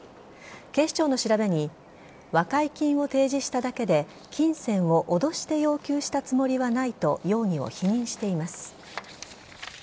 警視庁の調べに和解金を提示しただけで金銭を脅して要求したつもりはないと容疑を否認しています。